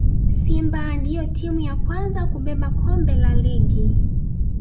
simba ndiyo timu ya kwanza kubeba kombe la ligi